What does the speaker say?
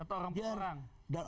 atau orang per orang